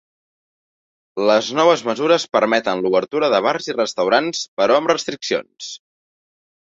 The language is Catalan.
Les noves mesures permeten l’obertura de bars i restaurants, però amb restriccions.